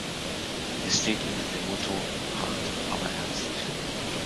Es steht unter dem Motto: „"Hart" "aber" "herzlich"“.